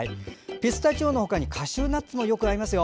ピスタチオの他にカシューナッツもよく合いますよ。